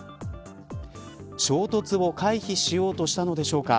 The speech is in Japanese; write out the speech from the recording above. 衝突を回避しようとしたのでしょうか。